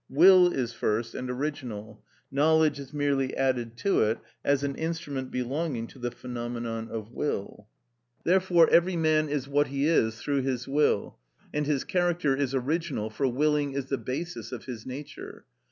Will is first and original; knowledge is merely added to it as an instrument belonging to the phenomenon of will. Therefore every man is what he is through his will, and his character is original, for willing is the basis of his nature.